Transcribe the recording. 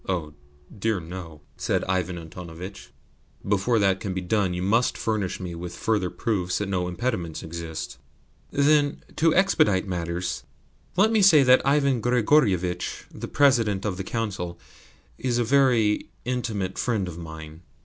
Oh, dear no!" said Ivan Antonovitch. "Before that can be done you must furnish me with further proofs that no impediments exist." "Then, to expedite matters, let me say that Ivan Grigorievitch, the President of the Council, is a very intimate friend of mine."